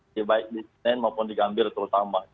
ya baik di senen maupun di gambir terutama